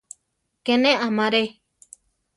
Ke ne amaré.